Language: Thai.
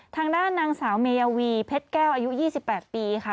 ทางด้านนางสาวเมยาวีเพ็ดแก้วอายุยี่สิบแปดปีค่ะ